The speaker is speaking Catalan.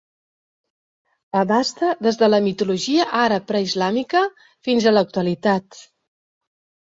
Abasta des de la mitologia àrab preislàmica fins a l'actualitat.